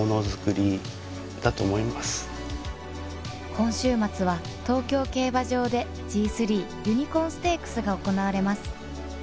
今週末は東京競馬場でＧⅢユニコーンステークスが行われます